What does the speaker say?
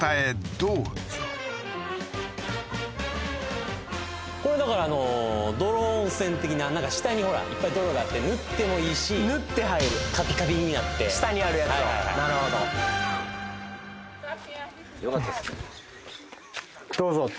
どうぞこれだから泥温泉的ななんか下にほらいっぱい泥があって塗ってもいいし塗って入るカピカピになって下にあるやつをなるほどよかったですねえっ？